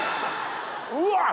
うわっ！